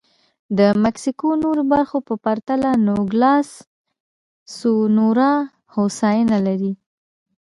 د مکسیکو نورو برخو په پرتله نوګالس سونورا هوساینه لري.